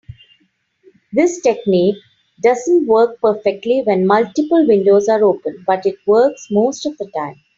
This technique doesn't work perfectly when multiple windows are open, but it works most of the time.